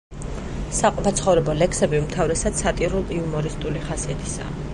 საყოფაცხოვრებო ლექსები უმთავრესად სატირულ-იუმორისტული ხასიათისაა.